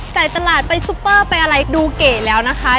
ตลาดไปซุปเปอร์ไปอะไรดูเก๋แล้วนะคะ